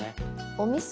おみそ。